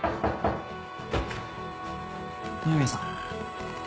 二宮さん。